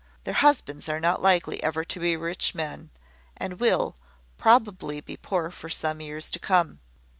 Their husbands are not likely ever to be rich men, and will probably be poor for some years to come.